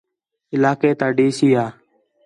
علاقے تا ڈی سی ہا